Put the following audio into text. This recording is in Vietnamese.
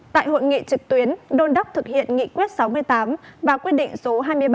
tại hội nghị trực tuyến đôn đốc thực hiện nghị quyết sáu mươi tám và quyết định số hai mươi ba